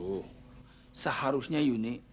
oh seharusnya yuni